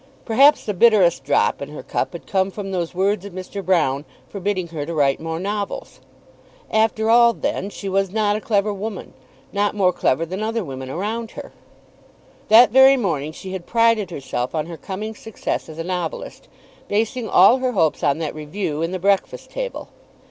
Perhaps the bitterest drop in her cup had come from those words of Mr. Broune forbidding her to write more novels. After all, then, she was not a clever woman, not more clever than other women around her! That very morning she had prided herself on her coming success as a novelist, basing all her hopes on that review in the "Breakfast Table."